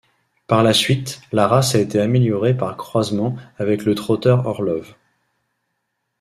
Par la suite, la race a été améliorée par croisement avec le trotteur Orlov.